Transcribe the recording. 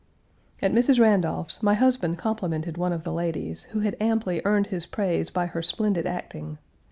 At Mrs. Randolph's, my husband complimented one of the ladies, who had amply earned his praise by her splendid acting.